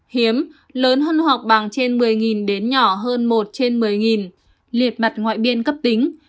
hiếm lớn hơn họp bằng trên một mươi đến nhỏ hơn một trên một mươi liệt mặt ngoại biên cấp tính